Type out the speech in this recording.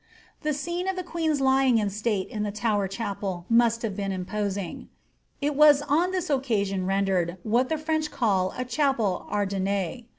The scene of the queen's lying in state in the Tower chapel must hire been imposing. It was on this occasion rendered what the French call a chapel ardenie.